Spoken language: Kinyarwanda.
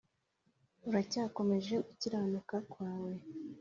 uracyakomeje gukiranuka kwawe?